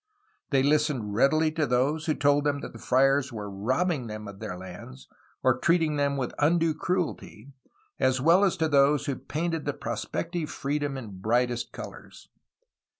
They listened readily to those who told them that the friars were robbing them of their lands, or treating them with undue cruelty, as well as to those who painted the prospective freedom in brightest colors.